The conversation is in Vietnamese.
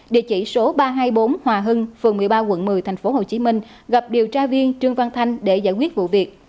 địa chỉ số ba trăm hai mươi bốn hòa hưng phường một mươi ba quận một mươi tp hcm gặp điều tra viên trương văn thanh để giải quyết vụ việc